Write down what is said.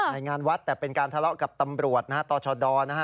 ในงานวัดแต่เป็นการทะเลาะกับตำรวจตชด